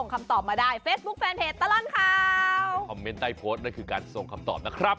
คอมเม้นต์ใต้โพสต์นั่นคือการส่งคำตอบนะครับ